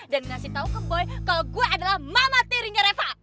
dan ngasih tau ke boy kalau gue adalah mamah tirinya reva